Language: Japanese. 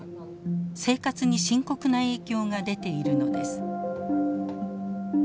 生活に深刻な影響が出ているのです。